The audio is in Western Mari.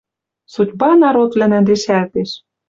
Судьба народвлӓнӓн решӓлтеш.